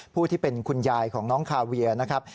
ผู้ที่เป็นคุณยายของน้องคาเวียนะครับ